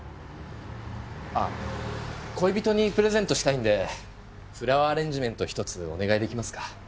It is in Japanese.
ああ恋人にプレゼントしたいんでフラワーアレンジメント１つお願い出来ますか？